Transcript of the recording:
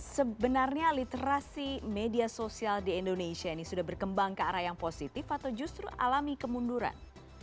sebenarnya literasi media sosial di indonesia ini sudah berkembang ke arah yang positif atau justru alami kemunduran